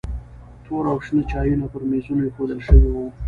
تور او شنه چایونه پر میزونو ایښودل شوي وو.